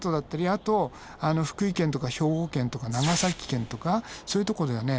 あと福井県とか兵庫県とか長崎県とかそういうとこではね